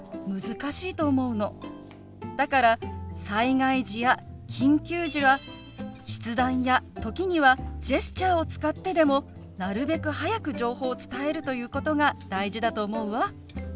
だから災害時や緊急時は筆談や時にはジェスチャーを使ってでもなるべく早く情報を伝えるということが大事だと思うわ。